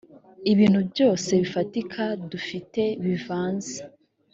ibintu byose bifatika dufite bivanze.